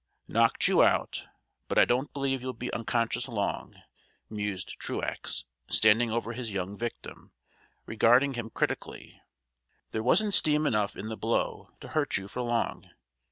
"Knocked you out, but I don't believe you'll be unconscious long," mused Truax, standing over his young victim, regarding him critically. "There wasn't steam enough in the blow to hurt you for long.